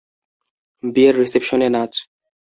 বিয়ের রিসিপশনে নাচ।